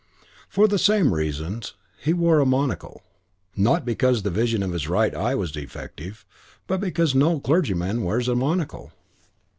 For the same reasons he wore a monocle; not because the vision of his right eye was defective but because no clergyman wears a monocle.